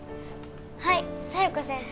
はい沙世子先生